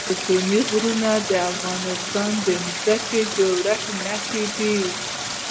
ستوني غرونه د افغانستان د ځمکې د جوړښت نښه ده.